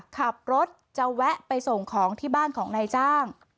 ขับรถจะแวะไปส่งของที่บ้านของนายจ้าง